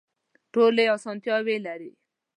ټولې اسانتیاوې لري.